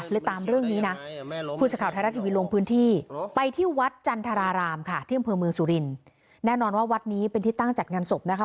เรื่อยตามเรื่องนี้นะปื่นสถาวท้ายรัฐทีวีลงพื้นที่ไปที่วัดจันทรราลาม่ะเผื้อเมืองสุรินทร์แน่นอนว่าวัดนี้เป็นที่ตั้งจัดงานสบนะค่ะ